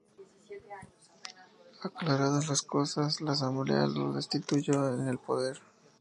Aclaradas las cosas, la Asamblea lo restituyó en el poder.